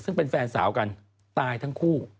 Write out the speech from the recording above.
ซึ่งเป็นแฟนสาวกันตายทั้งคู่